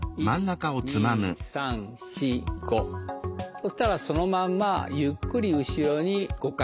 そうしたらそのまんまゆっくり後ろに５回。